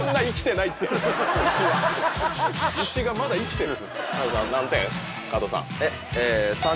牛がまだ生きてる。